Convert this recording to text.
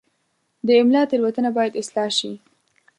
د املا تېروتنه باید اصلاح شي.